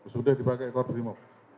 sudah dipakai korporimob